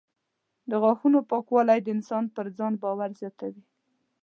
د غاښونو پاکوالی د انسان پر ځان باور زیاتوي.